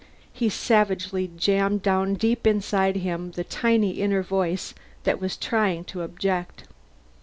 He savagely jammed down deep inside him the tiny inner voice that was trying to object.